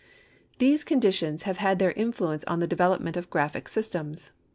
These conditions have had their influence on the development of graphic systems.